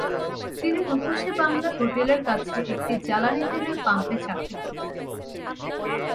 তিনি রূপসী বাংলা হোটেলের কাছে একটি জ্বালানি তেলের পাম্পে চাকরি করতেন।